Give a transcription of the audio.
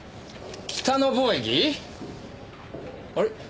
あれ？